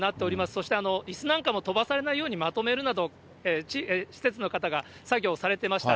そしていすなんかも飛ばされないようにまとめるなど、施設の方が作業をされてました。